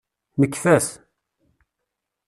Nekfa-t.